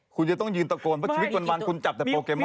คุณจะต้องยืนตะโกนเพราะชีวิตวันคุณจับแต่โปรแกรม